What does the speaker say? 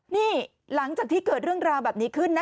นี่หลังจากที่เกิดเรื่องราวแบบนี้ขึ้นนะ